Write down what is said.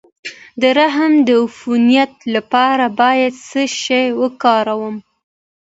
د رحم د عفونت لپاره باید څه شی وکاروم؟